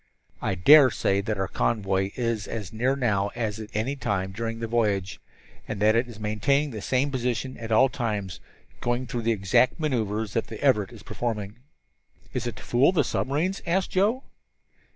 "I dare say that our convoy is as near us now as at any time during the voyage, and that it is maintaining the same position at all times, going through the exact maneuvers that the Everett is performing." "It is to fool the submarines?" asked Joe.